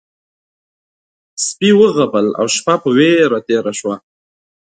سپي وغپل او شپه په وېره تېره شوه.